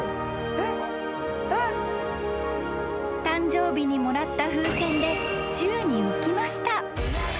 ［誕生日にもらった風船で宙に浮きました］